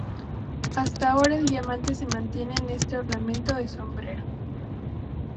Hasta ahora el diamante se mantiene en este ornamento de sombrero.